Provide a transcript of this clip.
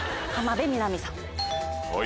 浜辺美波さん。